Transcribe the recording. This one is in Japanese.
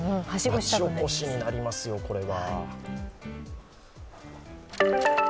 町おこしになりますよ、これは。